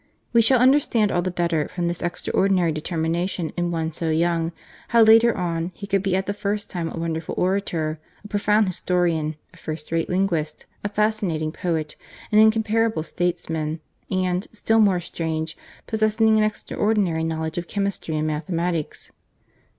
We shall understand all the better from this extraordinary determination in one so young, how, later on, he could be at the same time a wonderful orator, a profound historian, a first rate linguist, a fascinating poet, an incom parable statesman, and, still more strange, possessing LIFE AS A STUDENT. n an extraordinary knowledge of chemistry and mathe matics.'